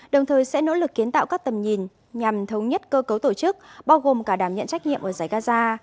đồng thời sẽ nỗ lực kiến tạo các tầm nhìn nhằm thống nhất cơ cấu tổ chức bao gồm cả đảm nhận trách nhiệm ở giải gaza